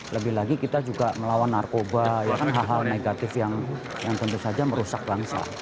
lebih lagi kita juga melawan narkoba hal hal negatif yang tentu saja merusak langsang